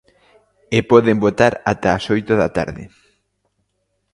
E poden votar ata as oito da tarde.